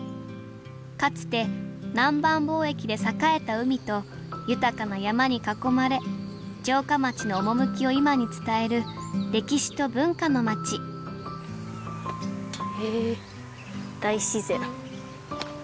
かつて南蛮貿易で栄えた海と豊かな山に囲まれ城下町の趣を今に伝える歴史と文化の町へえ大自然。